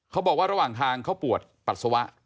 เขาบอกว่าระหว่างทางเขาปวดปัสสาวะ